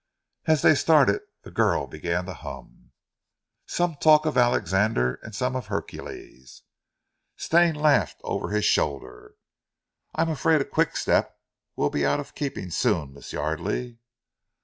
As they started the girl began to hum: "Some talk of Alexander And some of Hercules." Stane laughed over his shoulder. "I'm afraid a quick step will be out of keeping soon, Miss Yardely."